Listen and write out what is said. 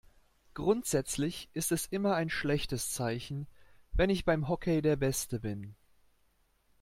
Grundsätzlich ist es immer ein schlechtes Zeichen, wenn ich beim Hockey der Beste bin.